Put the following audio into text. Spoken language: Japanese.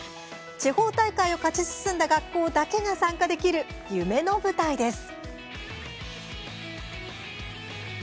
地方大会を勝ち進んだ学校だけが参加できる夢の舞台です。